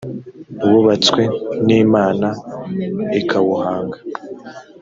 wubatswe n imana ikawuhanga